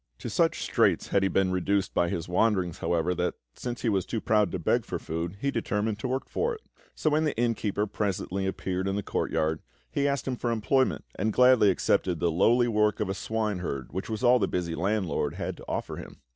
To such straits had he been reduced by his wanderings, however, that, since he was too proud to beg for food, he determined to work for it; so when the inn keeper presently appeared in the courtyard, he asked him for employment, and gladly accepted the lowly work of a swineherd which was all the busy landlord had to offer him.